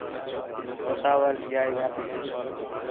وتا وَل ڳِیا ہے گھر ݙے